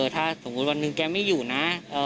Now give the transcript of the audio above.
ถ้าสมมุติวันหนึ่งแกไม่อยู่นะ